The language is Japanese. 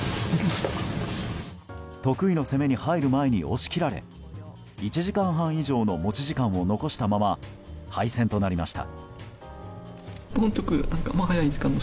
得意の攻めに入る前に押し切られ１時間半以上の持ち時間を残したまま敗戦となりました。